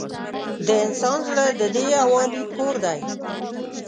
د انسان زړه د دې یووالي کور دی.